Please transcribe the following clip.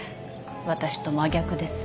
私と真逆です。